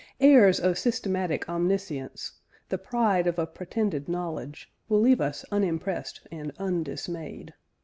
Airs of systematic omniscience, "the pride of a pretended knowledge," will leave us unimpressed and undismayed.